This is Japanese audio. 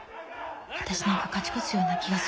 私何か勝ち越すような気がする。